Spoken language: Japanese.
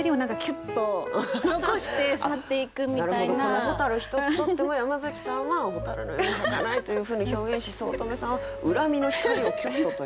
この「蛍」一つとっても山崎さんは蛍のようにはかないというふうに表現し五月女さんは恨みの光をキュッとというね。